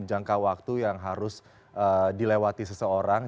jangka waktu yang harus dilewati seseorang